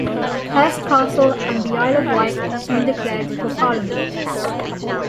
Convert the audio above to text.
Hurst Castle and the Isle of Wight soon declared for Parliament.